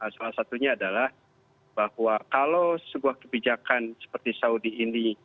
salah satunya adalah bahwa kalau sebuah kebijakan seperti saudi ini